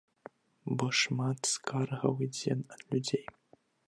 Бо шмат скаргаў ідзе ад людзей.